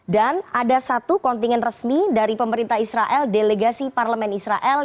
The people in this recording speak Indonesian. dan ada satu kontingen resmi dari pemerintah israel delegasi parlemen israel